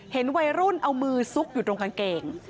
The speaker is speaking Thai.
เห็นวัยรุ่นเอามือซุกอยู่ตรงกางเกง